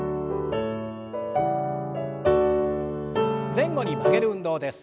前後に曲げる運動です。